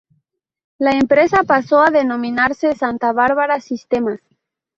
La empresa pasó a denominarse Santa Bárbara Sistemas.